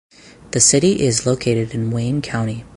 The city is located in Wayne County.